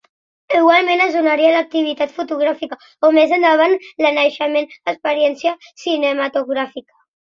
Igualment es donaria l'activitat fotogràfica o, més endavant, a la naixent experiència cinematogràfica.